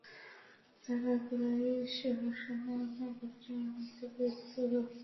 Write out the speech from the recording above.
তারা কুরাইশ ও সমমনা গোত্রের মধ্যে বীরত্ব ও রক্তে ত্যাজ সরবরাহ করছিল।